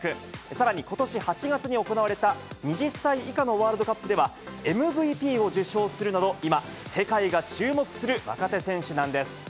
さらに、ことし８月に行われた２０歳以下のワールドカップでは、ＭＶＰを受賞するなど、今、世界が注目する若手選手なんです。